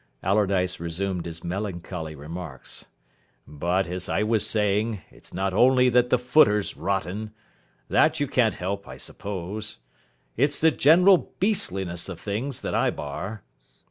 Allardyce resumed his melancholy remarks. "But, as I was saying, it's not only that the footer's rotten. That you can't help, I suppose. It's the general beastliness of things that I bar.